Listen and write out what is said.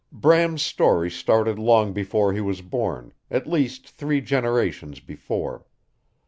Bram's story started long before he was born, at least three generations before.